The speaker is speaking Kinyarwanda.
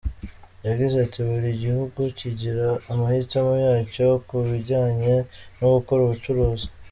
Yagize ati “ Buri gihugu kigira amahitamo yacyo ku bijyanye no gukora ubucuruzi.